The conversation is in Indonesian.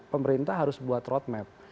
pemerintah harus buat road map